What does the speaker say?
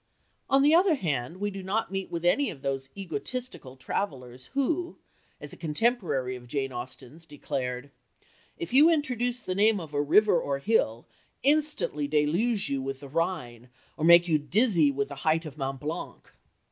On the other hand, we do not meet with any of those egotistical travellers who, as a contemporary of Jane Austen's declared, "If you introduce the name of a river or a hill, instantly deluge you with the Rhine, or make you dizzy with the height of Mont Blanc."